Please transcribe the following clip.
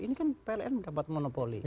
ini kan pln dapat monopoli